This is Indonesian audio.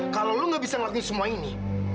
kalau lo gak bisa ngelakuin semua ini